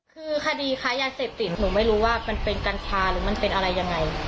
คือคดีค้ายาเสพติดหนูไม่รู้ว่ามันเป็นกัญชาหรือมันเป็นอะไรยังไง